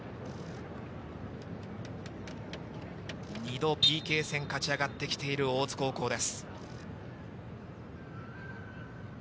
２度ＰＫ戦、勝ち上がってきている大津高校です。